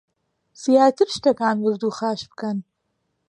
زیاتر شتەکان ورد و خاش بکەن